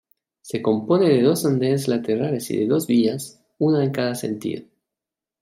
Se compone de dos andenes laterales y de dos vías, una en cada sentido.